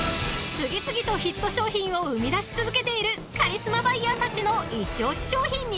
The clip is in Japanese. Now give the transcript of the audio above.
［次々とヒット商品を生みだし続けているカリスマバイヤーたちの一押し商品に］